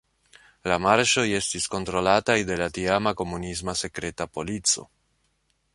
La marŝoj estis kontrolataj de la tiama komunisma sekreta polico.